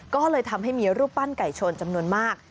ก็เลยทำให้มีรูปปั้นไก่ชนจำนวนมาก